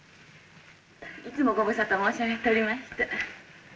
いつもご無沙汰申し上げておりまして。